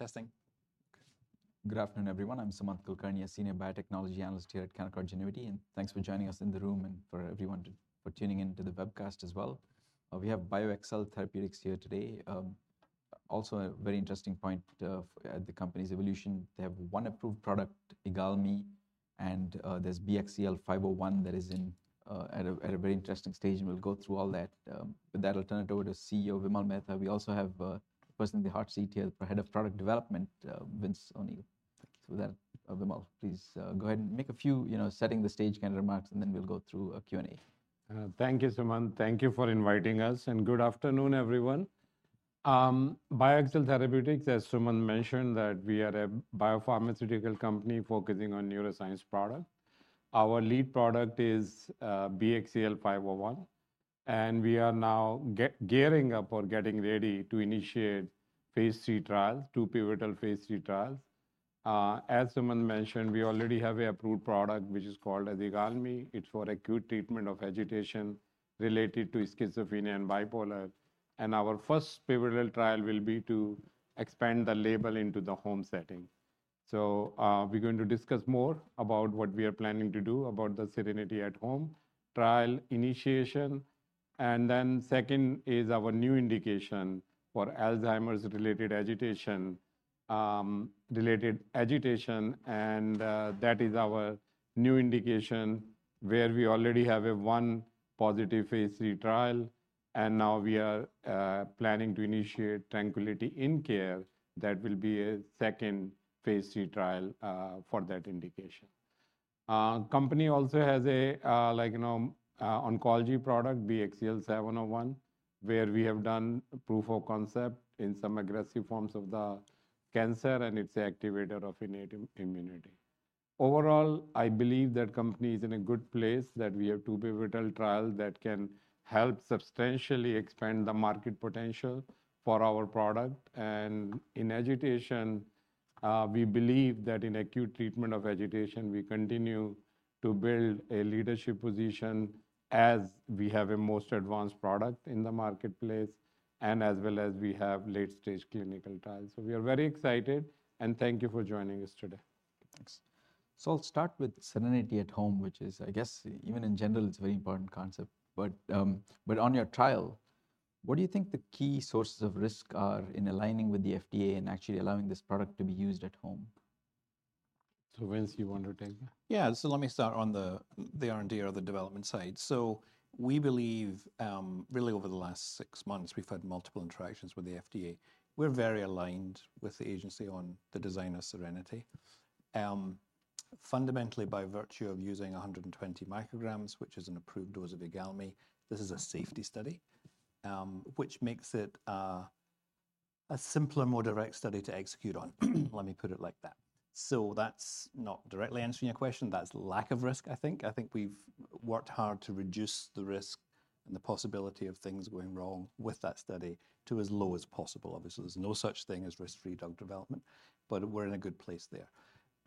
Keep looking. Oh, testing. Good afternoon, everyone. I'm Sumant Kulkarni, a senior biotechnology analyst here at Canaccord Genuity, and thanks for joining us in the room and for everyone for tuning in to the webcast as well. We have BioXcel Therapeutics here today. Also a very interesting point of the company's evolution. They have one approved product, IGALMI, and there's BXCL501 that is in at a very interesting stage, and we'll go through all that. But that'll turn it over to CEO, Vimal Mehta. We also have the Head of Product Development, Vince O'Neill. So with that, Vimal, please go ahead and make a few, you know, setting the stage kind of remarks, and then we'll go through a Q&A. Thank you, Sumant. Thank you for inviting us, and good afternoon, everyone. BioXcel Therapeutics, as Sumant mentioned, that we are a biopharmaceutical company focusing on neuroscience product. Our lead product is BXCL501, and we are now gearing up or getting ready to initiate phase II trials, two pivotal phase II trials. As Sumant mentioned, we already have an approved product, which is called as IGALMI. It's for acute treatment of agitation related to schizophrenia and bipolar. Our first pivotal trial will be to expand the label into the home setting. So, we're going to discuss more about what we are planning to do about the SERENITY At-Home trial initiation, and then second is our new indication for Alzheimer's-related agitation, related agitation, and, that is our new indication, where we already have a one positive phase II trial, and now we are planning to initiate TRANQUILITY In-Care. That will be a second phase II trial, for that indication. Company also has a, like, you know, oncology product, BXCL701, where we have done proof of concept in some aggressive forms of the cancer, and it's an activator of innate immunity. Overall, I believe the company is in a good place, that we have two pivotal trials that can help substantially expand the market potential for our product and in agitation, we believe that in acute treatment of agitation, we continue to build a leadership position as we have a most advanced product in the marketplace and as well as we have late-stage clinical trials. So we are very excited, and thank you for joining us today. Thanks. I'll start with SERENITY At-Home, which is I guess even in general, it's a very important concept, but on your trial, what do you think the key sources of risk are in aligning with the FDA and actually allowing this product to be used at home? Vince, you want to take that? Yeah. So let me start on the, the R&D or the development side. So we believe, really over the last six months, we've had multiple interactions with the FDA. We're very aligned with the agency on the design of SERENITY. Fundamentally, by virtue of using 120 micrograms, which is an approved dose of IGALMI, this is a safety study, which makes it a simpler, more direct study to execute on. Let me put it like that. So that's not directly answering your question. That's lack of risk, I think. I think we've worked hard to reduce the risk and the possibility of things going wrong with that study to as low as possible. Obviously, there's no such thing as risk-free drug development, but we're in a good place there.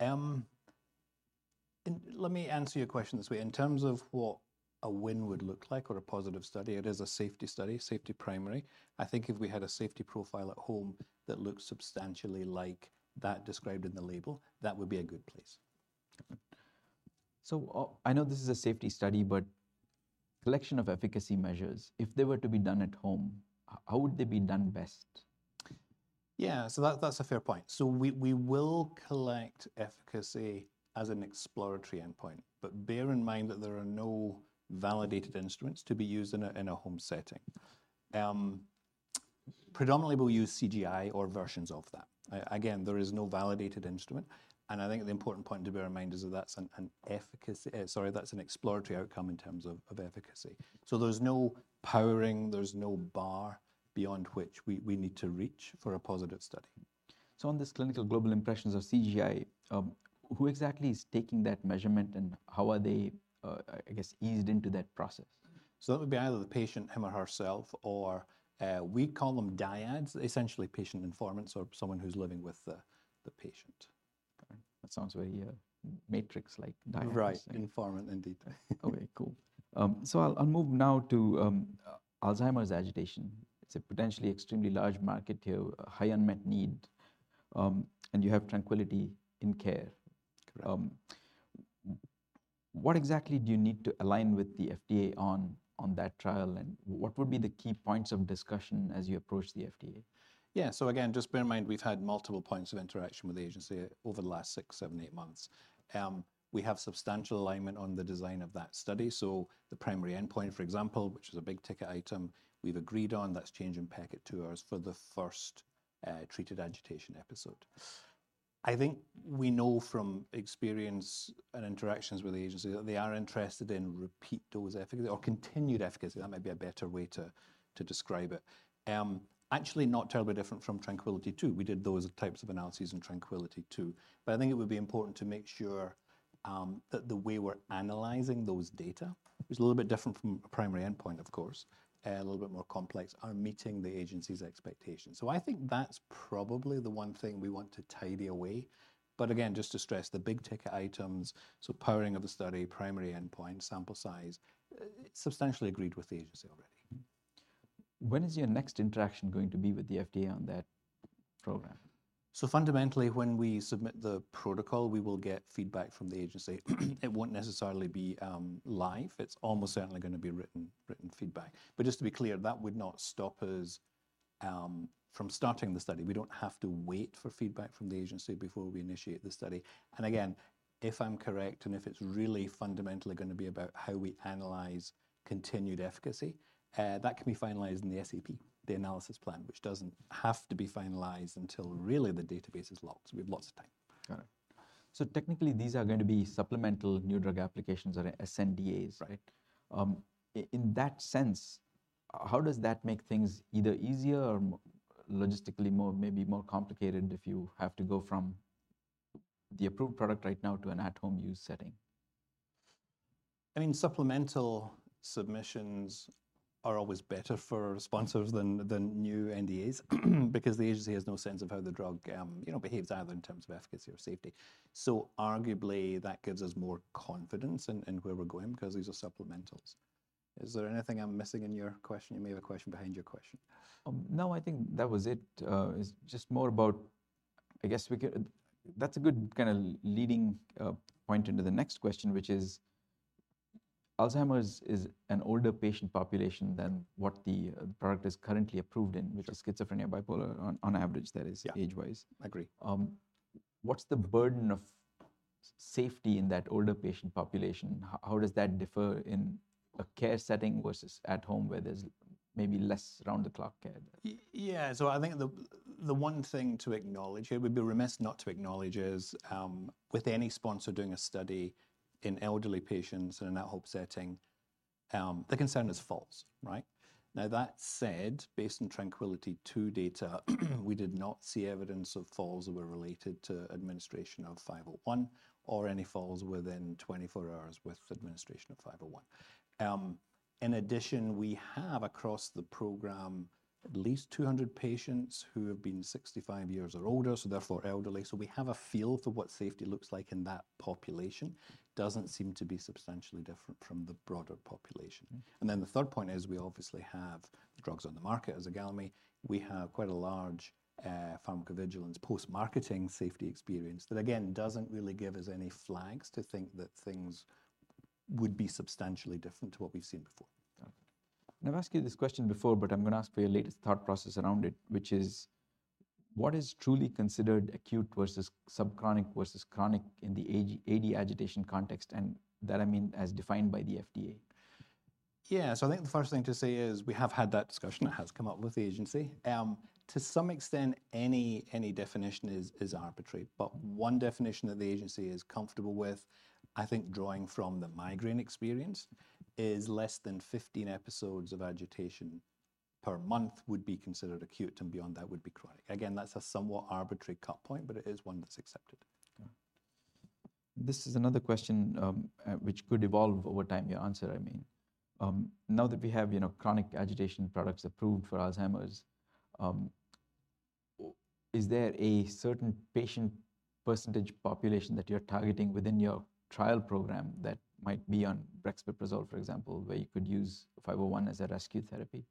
And let me answer your question this way. In terms of what a win would look like or a positive study, it is a safety study, safety primary. I think if we had a safety profile at home that looks substantially like that described in the label, that would be a good place. So, I know this is a safety study, but collection of efficacy measures, if they were to be done at home, how would they be done best? Yeah, so that's a fair point. So we will collect efficacy as an exploratory endpoint, but bear in mind that there are no validated instruments to be used in a home setting. Predominantly, we'll use CGI or versions of that. Again, there is no validated instrument, and I think the important point to bear in mind is that that's an efficacy. Sorry, that's an exploratory outcome in terms of efficacy. So there's no powering, there's no bar beyond which we need to reach for a positive study. So on this Clinical Global Impressions (CGI), who exactly is taking that measurement, and how are they, I guess, eased into that process? So that would be either the patient, him or herself, or, we call them dyads, essentially patient informants or someone who's living with the, the patient. That sounds very, Matrix-like, dyads. Right. Informant, indeed. Okay, cool. So I'll move now to Alzheimer's agitation. It's a potentially extremely large market to a high unmet need, and you have TRANQUILITY In-Care. Correct. What exactly do you need to align with the FDA on that trial, and what would be the key points of discussion as you approach the FDA? Yeah. So again, just bear in mind, we've had multiple points of interaction with the agency over the last six, seven, eight months. We have substantial alignment on the design of that study. So the primary endpoint, for example, which is a big-ticket item, we've agreed on, that's change in PEC at two hours for the first treated agitation episode. I think we know from experience and interactions with the agency that they are interested in repeat those efficacy or continued efficacy. That might be a better way to describe it. Actually, not terribly different from TRANQUILITY II. We did those types of analyses in TRANQUILITY II. But I think it would be important to make sure, that the way we're analyzing those data, which is a little bit different from a primary endpoint, of course, a little bit more complex, are meeting the agency's expectations. So I think that's probably the one thing we want to tidy away. But again, just to stress the big-ticket items, so powering of the study, primary endpoint, sample size, substantially agreed with the agency already. When is your next interaction going to be with the FDA on that program? So fundamentally, when we submit the protocol, we will get feedback from the agency. It won't necessarily be live. It's almost certainly gonna be written, written feedback. But just to be clear, that would not stop us from starting the study. We don't have to wait for feedback from the agency before we initiate the study. And again, if I'm correct, and if it's really fundamentally gonna be about how we analyze continued efficacy, that can be finalized in the SAP, the analysis plan, which doesn't have to be finalized until really the database is locked. So we have lots of time. Got it. So technically, these are going to be supplemental new drug applications or sNDAs, right? In that sense, how does that make things either easier or more logistically, maybe more complicated if you have to go from the approved product right now to an at-home use setting? I mean, supplemental submissions are always better for sponsors than new NDAs, because the agency has no sense of how the drug, you know, behaves either in terms of efficacy or safety. So arguably, that gives us more confidence in where we're going, because these are supplementals. Is there anything I'm missing in your question? You may have a question behind your question. No, I think that was it. It's just more about-- I guess we could-- That's a good kind of leading point into the next question, which is, Alzheimer's is an older patient population than what the product is currently approved in-which is schizophrenia, bipolar, on average, that is- Yeah. -age-wise. Agree. What's the burden of safety in that older patient population? How does that differ in a care setting versus at home, where there's maybe less round-the-clock care? Yeah, so I think the, the one thing to acknowledge here, we'd be remiss not to acknowledge, is, with any sponsor doing a study in elderly patients and in that home setting, the concern is falls, right? Now, that said, based on TRANQUILITY II data, we did not see evidence of falls that were related to administration of 501 or any falls within 24 hours with administration of 501. In addition, we have, across the program, at least 200 patients who have been 65 years or older, so therefore elderly. So we have a feel for what safety looks like in that population. Doesn't seem to be substantially different from the broader population And then the third point is, we obviously have drugs on the market. As IGALMI, we have quite a large pharmacovigilance post-marketing safety experience. That, again, doesn't really give us any flags to think that things would be substantially different to what we've seen before. Got it. And I've asked you this question before, but I'm gonna ask for your latest thought process around it, which is: What is truly considered acute versus subchronic versus chronic in the AD agitation context? And that, I mean, as defined by the FDA. Yeah. So I think the first thing to say is, we have had that discussion that has come up with the agency. To some extent, any definition is arbitrary, but one definition that the agency is comfortable with, I think drawing from the migraine experience, is less than 15 episodes of agitation per month would be considered acute, and beyond that would be chronic. Again, that's a somewhat arbitrary cut point, but it is one that's accepted. Yeah. This is another question, which could evolve over time, your answer, I mean. Now that we have, you know, chronic agitation products approved for Alzheimer's, is there a certain patient percentage population that you're targeting within your trial program that might be on brexpiprazole, for example, where you could use 501 as a rescue therapy?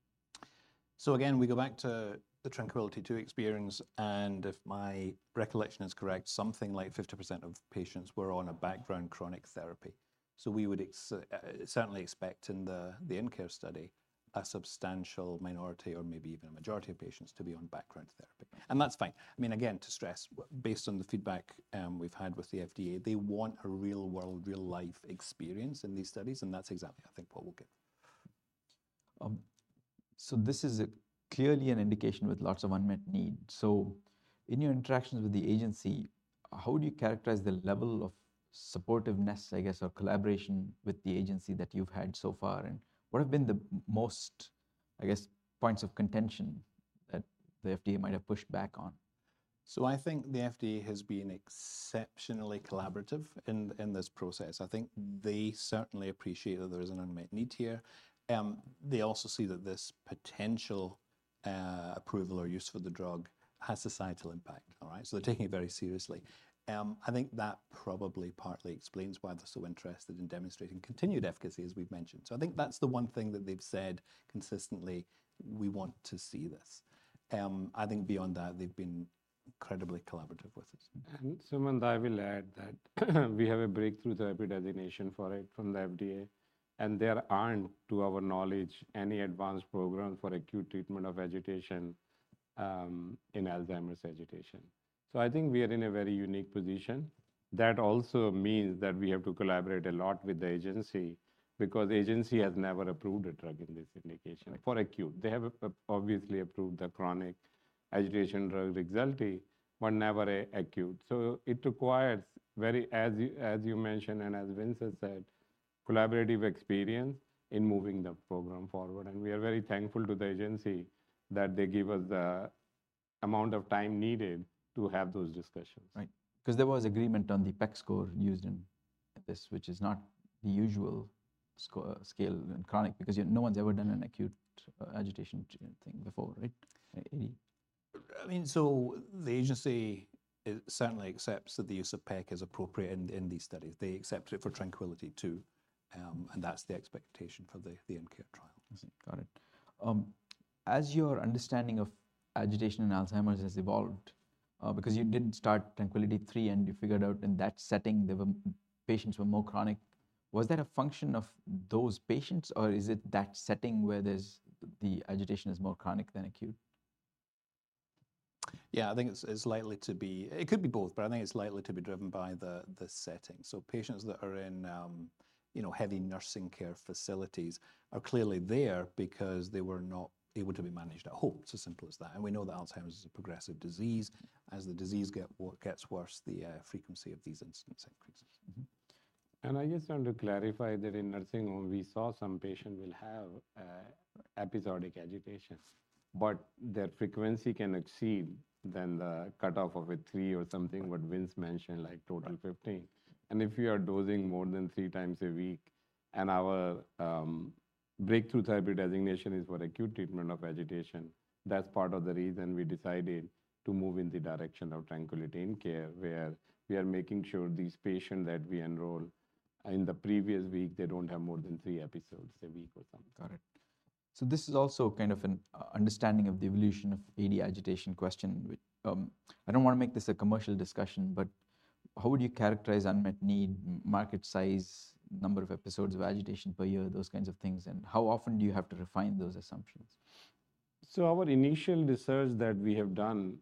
So again, we go back to the TRANQUILITY II experience, and if my recollection is correct, something like 50% of patients were on a background chronic therapy. So we would expect in the in-care study, a substantial minority or maybe even a majority of patients to be on background therapy. And that's fine. I mean, again, to stress, based on the feedback we've had with the FDA, they want a real-world, real-life experience in these studies, and that's exactly, I think, what we'll get. So this is clearly an indication with lots of unmet need. So in your interactions with the agency, how would you characterize the level of supportiveness, I guess, or collaboration with the agency that you've had so far? And what have been the most, I guess, points of contention that the FDA might have pushed back on? So I think the FDA has been exceptionally collaborative in this process. I think they certainly appreciate that there is an unmet need here. They also see that this potential approval or use for the drug has societal impact. All right? So they're taking it very seriously. I think that probably partly explains why they're so interested in demonstrating continued efficacy, as we've mentioned. So I think that's the one thing that they've said consistently: "We want to see this." I think beyond that, they've been incredibly collaborative with us. Sumant, I will add that we have a Breakthrough Therapy Designation for it from the FDA, and there aren't, to our knowledge, any advanced program for acute treatment of agitation in Alzheimer's agitation. So I think we are in a very unique position. That also means that we have to collaborate a lot with the agency, because the agency has never approved a drug in this indication for acute. They have obviously approved the chronic agitation drug, Rexulti, but never an acute. So it requires very, as you, as you mentioned, and as Vince has said, collaborative experience in moving the program forward, and we are very thankful to the agency that they give us the amount of time needed to have those discussions. Right. 'Cause there was agreement on the PEC score used in this, which is not the usual score, scale in chronic, because, you know, no one's ever done an acute agitation thing before, right? AD. I mean, so the agency, it certainly accepts that the use of PEC is appropriate in these studies. They accept it for TRANQUILITY II, and that's the expectation for the In-Care trial. Got it. As your understanding of agitation and Alzheimer's has evolved, because you didn't start TRANQUILITY III, and you figured out in that setting, the patients were more chronic. Was that a function of those patients, or is it that setting where there's the agitation is more chronic than acute? Yeah, I think it's likely to be-- it could be both, but I think it's likely to be driven by the setting. So patients that are in, you know, heavy nursing care facilities are clearly there because they were not able to be managed at home. It's as simple as that. And we know that Alzheimer's is a progressive disease. As the disease gets worse, the frequency of these incidents increases. I just want to clarify that in nursing, when we saw some patient will have episodic agitation, but their frequency can exceed than the cutoff of a three or something, what Vince mentioned, like total 15. Right. And if you are dosing more than three times a week, and our Breakthrough Therapy Designation is for acute treatment of agitation, that's part of the reason we decided to move in the direction of TRANQUILITY In-Care, where we are making sure these patients that we enroll, in the previous week, they don't have more than three episodes a week or something. Got it. So this is also kind of an understanding of the evolution of AD agitation question, which, I don't wanna make this a commercial discussion, but how would you characterize unmet need, market size, number of episodes of agitation per year, those kinds of things, and how often do you have to refine those assumptions? So our initial research that we have done,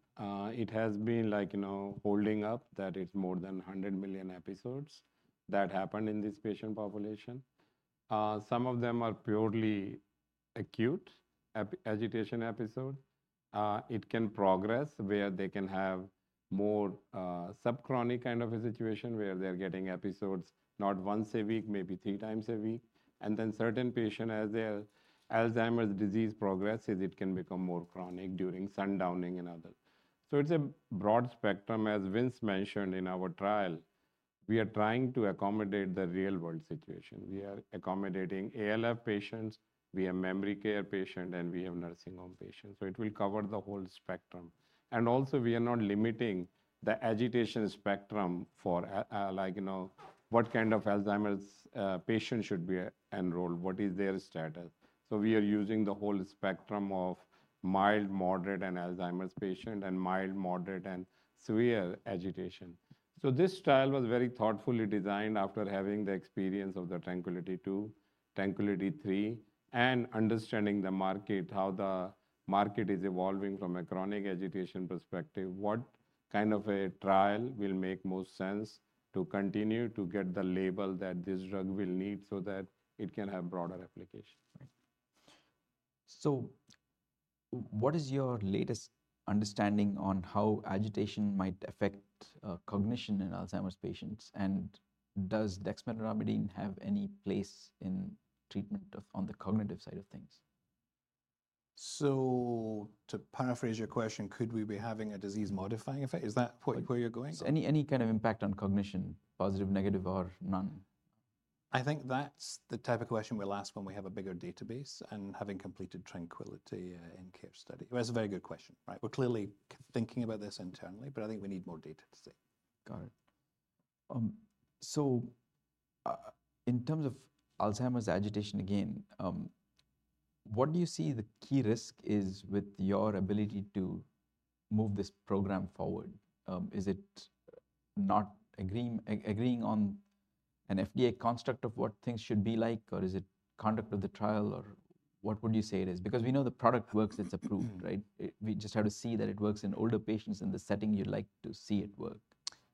it has been like, you know, holding up, that it's more than 100 million episodes that happen in this patient population. Some of them are purely acute agitation episode. It can progress, where they can have more subchronic kind of a situation, where they're getting episodes not once a week, maybe three times a week. And then certain patient, as their Alzheimer's disease progresses, it can become more chronic during sundowning and other. So it's a broad spectrum, as Vince mentioned in our trial, we are trying to accommodate the real-world situation. We are accommodating ALF patients, we have memory care patient, and we have nursing home patients, so it will cover the whole spectrum. And also, we are not limiting the agitation spectrum for, like, you know, what kind of Alzheimer's patient should be enrolled, what is their status? So we are using the whole spectrum of mild, moderate, and Alzheimer's patient, and mild, moderate, and severe agitation. So this trial was very thoughtfully designed after having the experience of the TRANQUILITY II, TRANQUILITY III, and understanding the market, how the market is evolving from a chronic agitation perspective. What kind of a trial will make most sense to continue to get the label that this drug will need so that it can have broader application? Right. So what is your latest understanding on how agitation might affect cognition in Alzheimer's patients? And does dexmedetomidine have any place in treatment of on the cognitive side of things? So to paraphrase your question, could we be having a disease-modifying effect? Is that point where you're going? So any kind of impact on cognition, positive, negative, or none? I think that's the type of question we'll ask when we have a bigger database and having completed TRANQUILITY In-Care study. That's a very good question, right? We're clearly thinking about this internally, but I think we need more data to see. Got it. So, in terms of Alzheimer's agitation again, what do you see the key risk is with your ability to move this program forward? Is it not agreeing, agreeing on an FDA construct of what things should be like, or is it conduct of the trial, or what would you say it is? Because we know the product works, it's approved, right? We just have to see that it works in older patients in the setting you'd like to see it work.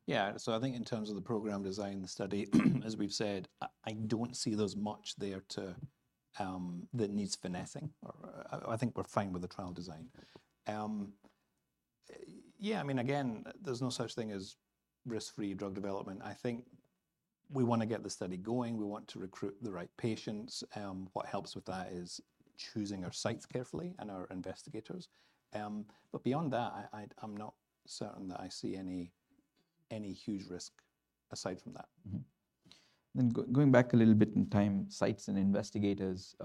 Yeah. So I think in terms of the program design, the study, as we've said, I don't see there's much there to that needs finessing, or I think we're fine with the trial design. Yeah, I mean, again, there's no such thing as risk-free drug development. I think we wanna get the study going, we want to recruit the right patients. What helps with that is choosing our sites carefully and our investigators. But beyond that, I, I'm not certain that I see any huge risk aside from that. Then going back a little bit in time, sites and investigators,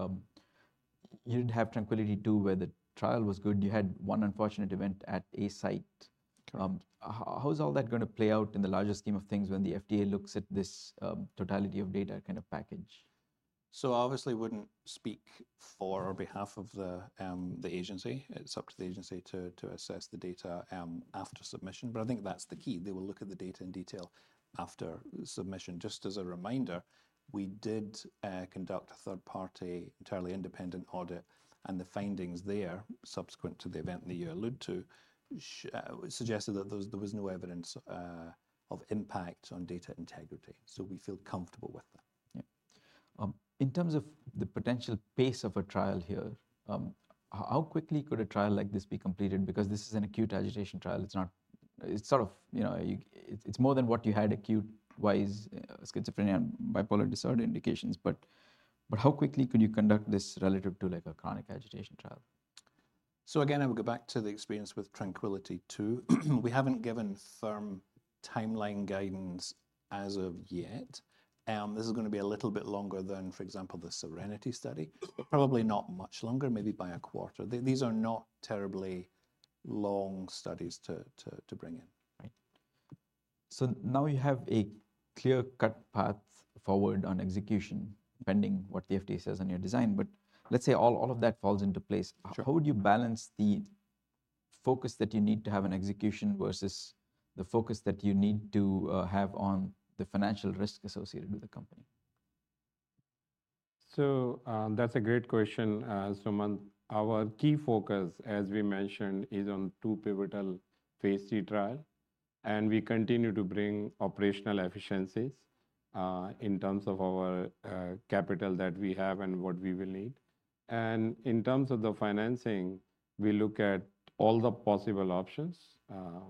you'd have TRANQUILITY II, where the trial was good. You had one unfortunate event at a site. Correct. How is all that gonna play out in the larger scheme of things when the FDA looks at this, totality of data kind of package? So obviously, wouldn't speak on behalf of the agency. It's up to the agency to assess the data after submission, but I think that's the key. They will look at the data in detail after submission. Just as a reminder, we did conduct a third-party, entirely independent audit, and the findings there, subsequent to the event that you allude to, suggested that there was no evidence of impact on data integrity. So we feel comfortable with that. Yeah. In terms of the potential pace of a trial here, how quickly could a trial like this be completed? Because this is an acute agitation trial, it's not, it's sort of, you know, it's more than what you had acute-wise, schizophrenia and bipolar disorder indications. But how quickly could you conduct this relative to, like, a chronic agitation trial? So again, I will go back to the experience with TRANQUILITY II. We haven't given firm timeline guidance as of yet. This is going to be a little bit longer than, for example, the SERENITY study, but probably not much longer, maybe by a quarter. These are not terribly long studies to bring in. Right. So now you have a clear-cut path forward on execution, pending what the FDA says on your design. But let's say all of that falls into place. Sure. How would you balance the focus that you need to have on execution versus the focus that you need to have on the financial risk associated with the company? So, that's a great question, Sumant. Our key focus, as we mentioned, is on two pivotal phase III trial, and we continue to bring operational efficiencies, in terms of our, capital that we have and what we will need. And in terms of the financing, we look at all the possible options.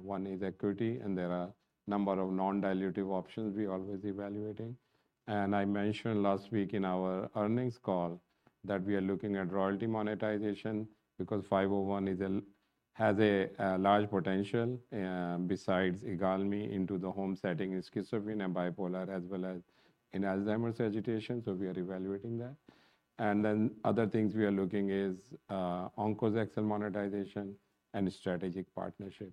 One is equity, and there are a number of non-dilutive options we're always evaluating. And I mentioned last week in our earnings call that we are looking at royalty monetization because 501 is a-- has a, large potential, besides IGALMI into the home setting in schizophrenia and bipolar, as well as in Alzheimer's agitation. So we are evaluating that. And then other things we are looking is, OnkosXcel and monetization and strategic partnership.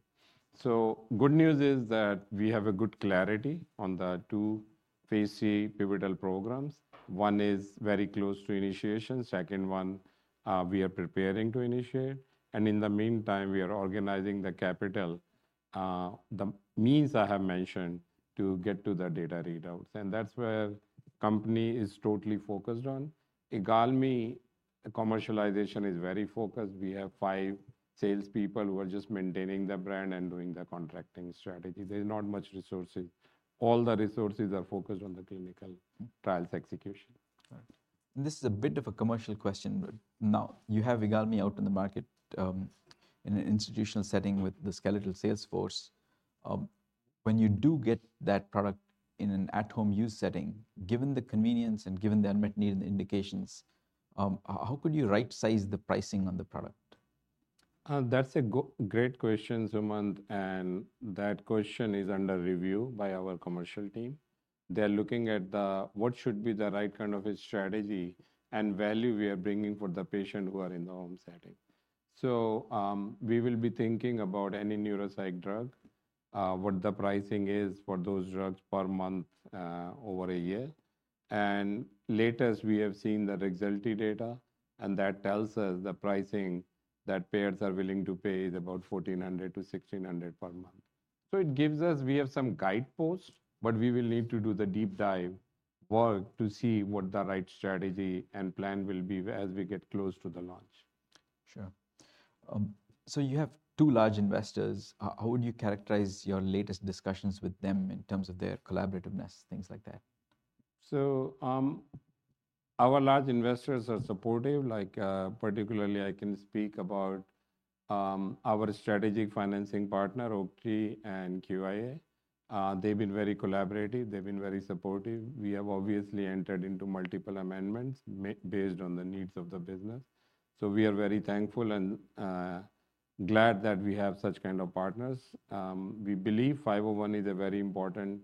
So good news is that we have a good clarity on the two phase III pivotal programs. One is very close to initiation, second one, we are preparing to initiate, and in the meantime, we are organizing the capital, the means I have mentioned, to get to the data readouts. And that's where company is totally focused on. IGALMI, the commercialization is very focused. We have five salespeople who are just maintaining the brand and doing the contracting strategy. There's not much resources. All the resources are focused on the clinical trials execution. Right. This is a bit of a commercial question, but now you have IGALMI out in the market, in an institutional setting with the skeletal sales force. When you do get that product in an at-home use setting, given the convenience and given the unmet need and indications, how could you right-size the pricing on the product? That's a great question, Suman, and that question is under review by our commercial team. They're looking at the, what should be the right kind of a strategy and value we are bringing for the patient who are in the home setting. So, we will be thinking about any neuropsych drug, what the pricing is for those drugs per month, over a year. And latest, we have seen the Rexulti data, and that tells us the pricing that payers are willing to pay is about $1,400-$1,600 per month. So it gives us, we have some guideposts, but we will need to do the deep dive work to see what the right strategy and plan will be as we get close to the launch. Sure. So you have two large investors. How would you characterize your latest discussions with them in terms of their collaborativeness, things like that? So, our large investors are supportive. Like, particularly I can speak about, our strategic financing partner, Oaktree and QIA. They've been very collaborative, they've been very supportive. We have obviously entered into multiple amendments based on the needs of the business. So we are very thankful and, glad that we have such kind of partners. We believe 501 is a very important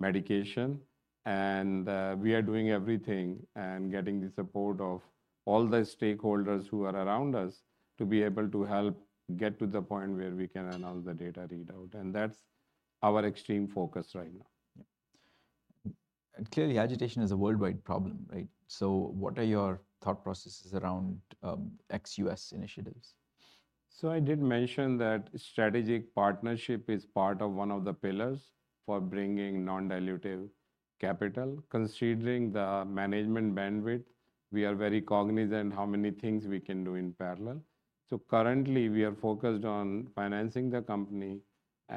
medication, and, we are doing everything and getting the support of all the stakeholders who are around us to be able to help get to the point where we can announce the data readout, and that's our extreme focus right now. Yeah. Clearly, agitation is a worldwide problem, right? So what are your thought processes around ex-U.S. initiatives? So I did mention that strategic partnership is part of one of the pillars for bringing non-dilutive capital. Considering the management bandwidth, we are very cognizant how many things we can do in parallel. So currently, we are focused on financing the company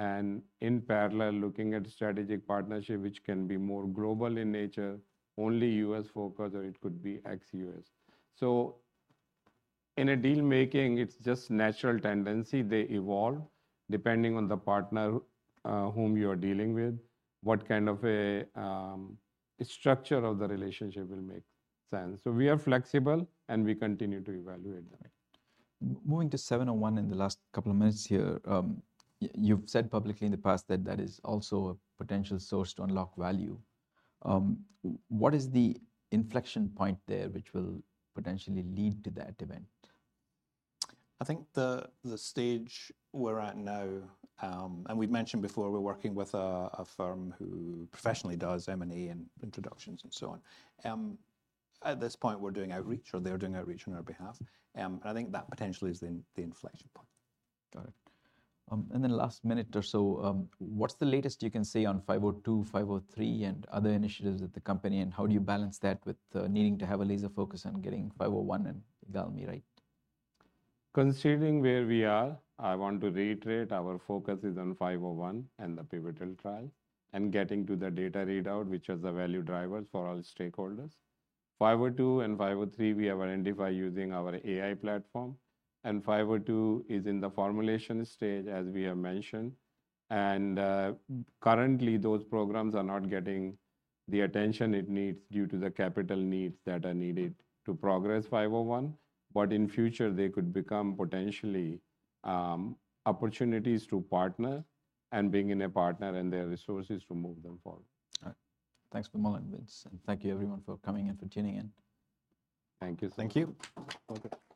and in parallel, looking at strategic partnership, which can be more global in nature, only U.S.-focused, or it could be ex-U.S. So in a deal-making, it's just natural tendency, they evolve depending on the partner, whom you are dealing with, what kind of a, structure of the relationship will make sense. So we are flexible, and we continue to evaluate that. Moving to 701 in the last couple of minutes here. You've said publicly in the past that that is also a potential source to unlock value. What is the inflection point there, which will potentially lead to that event? I think the, the stage we're at now, and we've mentioned before, we're working with a, a firm who professionally does M&A and introductions and so on. At this point, we're doing outreach, or they're doing outreach on our behalf. And I think that potentially is the, the inflection point. Got it. And then last minute or so, what's the latest you can say on 502, 503, and other initiatives at the company, and how do you balance that with needing to have a laser focus on getting 501 and IGALMI, right? Considering where we are, I want to reiterate our focus is on BXCL501 and the pivotal trial and getting to the data readout, which is a value driver for all stakeholders. BXCL502 and BXCL503, we have identified using our AI platform, and BXCL502 is in the formulation stage, as we have mentioned. And, currently, those programs are not getting the attention it needs due to the capital needs that are needed to progress BXCL501, but in future, they could become potentially, opportunities to partner and bring in a partner and their resources to move them forward. All right. Thanks for the moments, and thank you everyone for coming in, for tuning in. Thank you. Thank you. Okay.